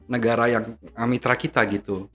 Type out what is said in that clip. negara yang mitra kita gitu